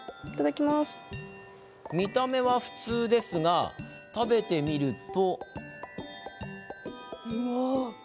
見た目は普通ですが食べてみると。